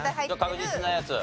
確実なやつ。